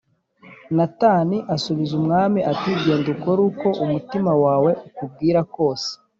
Natani asubiza umwami ati “Genda ukore uko umutima wawe ukubwira kose